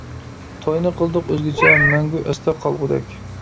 توينى قىلدۇق ئۆزگىچە، مەڭگۈ ئەستە قالغۇدەك.